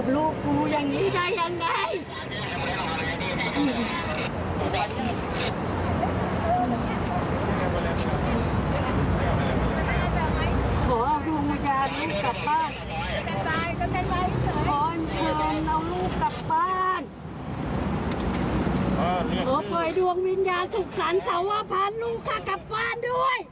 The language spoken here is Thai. ลูกกลับบ้านขอปล่อยดวงวิญญาณสุขรรค์สาวภัณฑ์ลูกข้ากลับบ้านด้วย